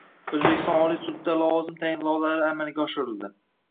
O‘zbekiston Oliy sudida lavozim tayinlovlari amalga oshirildi